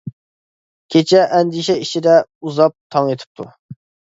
كېچە ئەندىشە ئىچىدە ئۇزاپ، تاڭ ئېتىپتۇ.